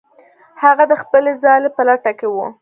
هغه د خپلې ځالې په لټه کې و.